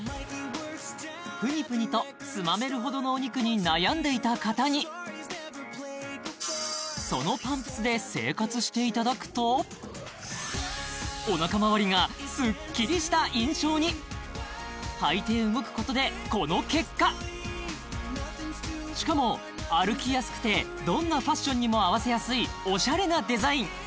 プニプニとつまめるほどのお肉に悩んでいた方にそのパンプスで生活していただくとおなかまわりがスッキリした印象に履いて動くことでこの結果しかも歩きやすくてどんなファッションにも合わせやすいオシャレなデザイン